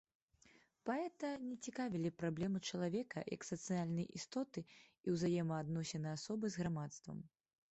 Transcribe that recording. Паэта не цікавілі праблемы чалавека як сацыяльнай істоты і ўзаемаадносіны асобы з грамадствам.